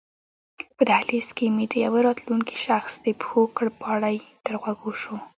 په دهلېز کې مې د یوه راتلونکي شخص د پښو کړپهاری تر غوږو شو.